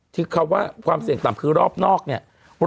คำว่าความเสี่ยงต่ำคือรอบนอกเนี่ย